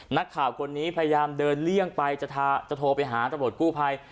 นักข่าวคนนี้พยายามเดินเลี่ยงไปจะโทรไปหาตำรวจกู้ภัย